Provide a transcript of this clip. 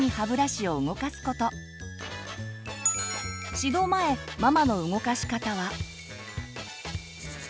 指導前ママの動かし方は。